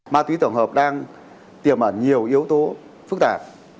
ma túy tổng hợp đang tiềm ẩn nhiều yếu tố phức tạp